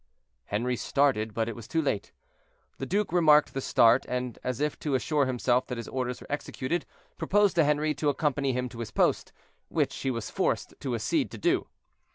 Henri started, but it was too late. The duke remarked the start, and, as if to assure himself that his orders were executed, proposed to Henri to accompany him to his post, which he was forced to accede to.